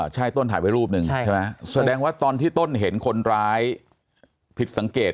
ใช่ต้นถ่ายไว้รูปหนึ่งใช่ไหมแสดงว่าตอนที่ต้นเห็นคนร้ายผิดสังเกต